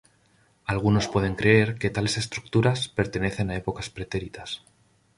Algunos pueden creer que tales estructuras pertenecen a épocas pretéritas